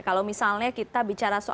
kalau misalnya kita bicara soal